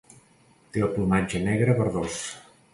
Té el plomatge negre verdós.